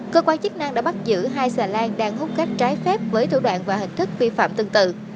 cơ quan chức năng đã bắt giữ hai xà lan đang hút cát trái phép với thủ đoạn và hình thức vi phạm tương tự